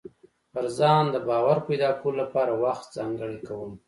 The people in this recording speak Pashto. پر ځان د باور پيدا کولو لپاره وخت ځانګړی کوم.